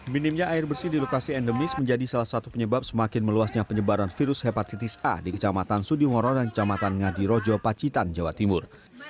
minimnya air bersih di lokasi endemis menjadi salah satu penyebab semakin meluasnya penyebaran virus hepatitis a di kecamatan sudimoro dan kecamatan ngadirojo pacitan jawa timur